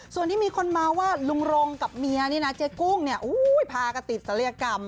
ส่วนที่มีคนมาว่าลุงรงกับเมียนี่นะเจ๊กุ้งเนี่ยพากันติดศัลยกรรม